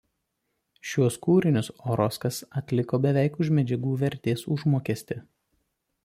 Šiuos kūrinius Oroskas atliko beveik už medžiagų vertės užmokestį.